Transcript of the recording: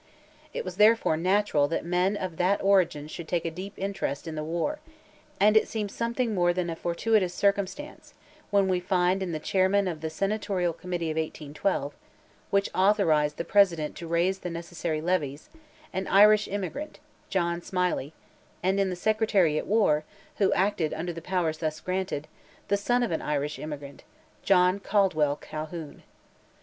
It was, therefore, natural that men of that origin should take a deep interest in the war, and it seems something more than a fortuitous circumstance, when we find in the chairman of the Senatorial Committee of 1812, which authorized the President to raise the necessary levies—an Irish emigrant, John Smilie, and in the Secretary at war, who acted under the powers thus granted, the son of an Irish emigrant, John Caldwell Calhoun.